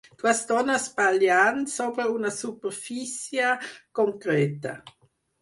Dues dones ballant sobre una superfície concreta.